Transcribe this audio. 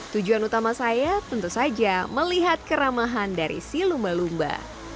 tujuan utama saya tentu saja melihat keramahan dari si lumba lumba